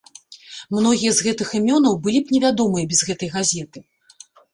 Многія з гэтых імёнаў былі б невядомыя без гэтай газеты.